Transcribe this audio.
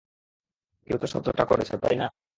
কেউ তো শব্দটা করেছে, তাই না?